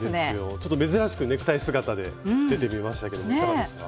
ちょっと珍しくネクタイ姿で出てみましたけどいかがですか？